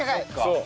そう。